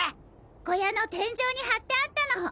小屋の天井に貼ってあったの。